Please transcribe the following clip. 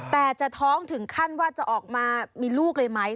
แต่จะท้องถึงขั้นว่าจะออกมามีลูกเลยไหม